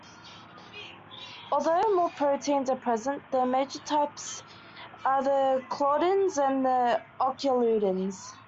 Although more proteins are present, the major types are the claudins and the occludins.